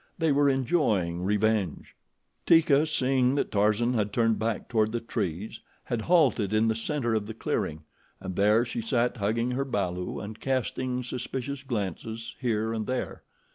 They were enjoying revenge. Teeka, seeing that Tarzan had turned back toward the trees, had halted in the center of the clearing, and there she sat hugging her balu and casting suspicious glances here and there.